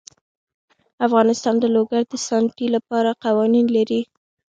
افغانستان د لوگر د ساتنې لپاره قوانین لري.